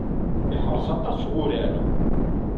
Iḥreṣ aṭas wurar.